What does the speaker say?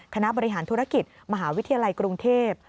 คณะบริหารธุรกิจมหาวิทยาลัยกรุงเทพ